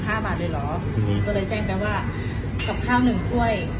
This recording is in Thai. ก็ได้แจ้งไปว่ากับข้าว๑ถ้วย